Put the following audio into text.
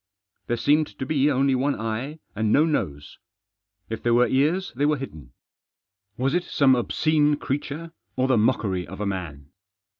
There seemed to be only one eye and no nose. If there were ears they were hidden. Was it some obscene creature or the mockery of a man